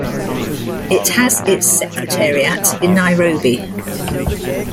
It has its Secretariat in Nairobi.